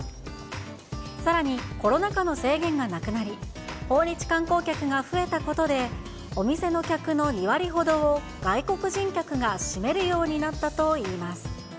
さらにコロナ禍の制限がなくなり、訪日観光客が増えたことで、お店の客の２割ほどを外国人客が占めるようになったといいます。